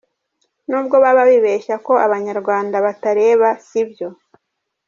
N’ubwo baba bibeshya ko Abanyarwanda batareba sibyo.